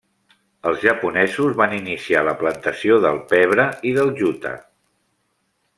Els japonesos van iniciar la plantació del pebre i del jute.